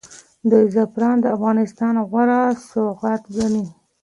دوی زعفران د افغانستان غوره سوغات ګڼي.